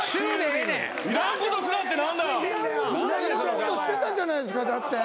いらんことしてたじゃないですか。